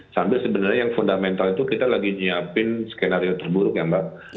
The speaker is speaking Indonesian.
sambil sebenarnya yang fundamental itu kita lagi nyiapin skenario terburuk ya mbak